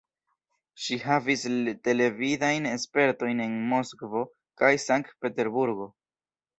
Ŝi havis televidajn spertojn en Moskvo kaj Sankt-Peterburgo.